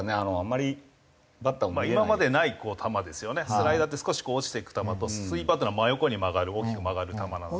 スライダーって少しこう落ちていく球とスイーパーっていうのは真横に曲がる大きく曲がる球なので。